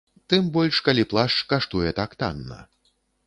Тым больш калі плашч каштуе так танна.